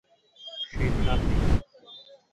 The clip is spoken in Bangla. সেই দিন আর নেই।